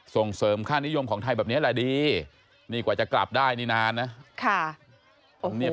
ส่งเสริมค่านิยมของไทยแบบนี้แหละดีนี่กว่าจะกลับได้นี่นานนะ